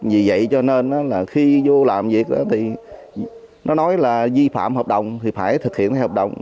vì vậy cho nên đó là khi vô làm việc đó thì nó nói là vi phạm hợp đồng thì phải thực hiện cái hợp đồng